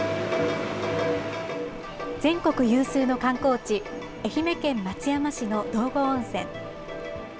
全国有数の観光地、愛媛県松山市の道後温泉。